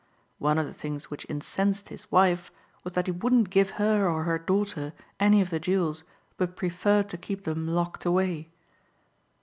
One of the things which incensed his wife was that he wouldn't give her or her daughter any of the jewels but preferred to keep them locked away."